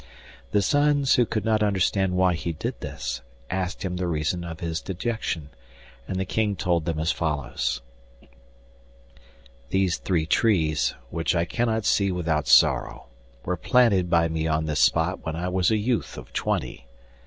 The sons, who could not understand why he did this, asked him the reason of his dejection, and the King told them as follows: 'These three trees, which I cannot see without sorrow, were planted by me on this spot when I was a youth of twenty.